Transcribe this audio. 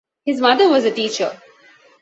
His mother was a teacher.